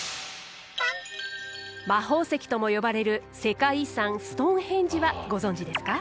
魔法石とも呼ばれる世界遺産「ストーンヘンジ」はご存じですか？